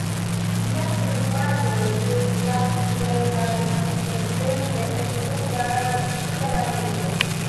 Liaj pentraĵoj estas videblaj ekzemple en Hungara Nacia Galerio.